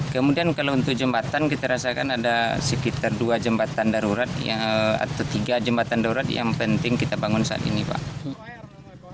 kemudian kalau untuk jembatan kita rasakan ada sekitar dua jembatan darurat atau tiga jembatan darurat yang penting kita bangun saat ini pak